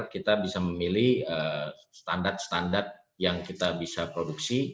kita bisa memilih standar standar yang kita bisa produksi